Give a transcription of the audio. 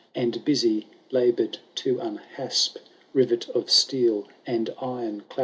And busy laboorVl to unhasp Rivet of steel and iron claqi.